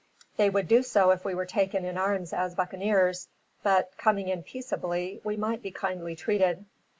They would do so if we were taken in arms as buccaneers; but, coming in peaceably, we might be kindly treated.